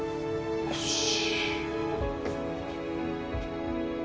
よし。